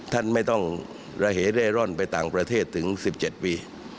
ท่านไม่ต้องระเหเร่ร่อนไปต่างประเทศถึง๑๗ปี